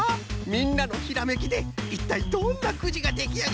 みんなのひらめきでいったいどんなくじができあがるんじゃろうかのう。